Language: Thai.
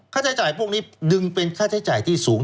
ใช้จ่ายพวกนี้ดึงเป็นค่าใช้จ่ายที่สูง